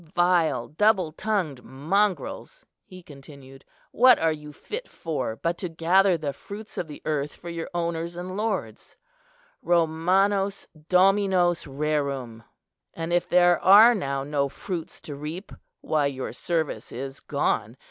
"Vile double tongued mongrels," he continued, "what are you fit for but to gather the fruits of the earth for your owners and lords, 'Romanos dominos rerum'? And if there are now no fruits to reap, why your service is gone.